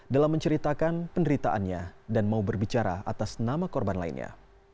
dalam menceritakan penderitaannya dan mau berbicara atas nama korban lainnya